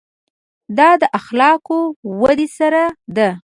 دا د اخلاقو ودې سره ده.